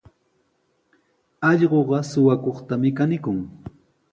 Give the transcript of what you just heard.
Allquqa suqakuqtami kanikun.